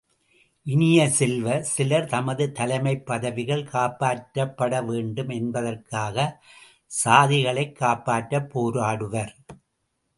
இனிய செல்வ, சிலர் தமது தலைமைப் பதவிகள் காப்பாற்றப்பட வேண்டும் என்பதற்காகச் சாதிகளைக் காப்பாற்றப் போராடுவர்.